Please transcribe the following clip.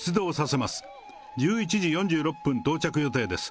１１時４６分到着予定です。